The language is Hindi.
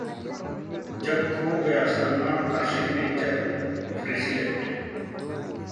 ...जब खो गया सलमान का सिग्नेचर ब्रेसलेट